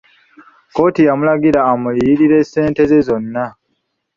Kkooti yamulagira amuliyirire ssente ze zonna.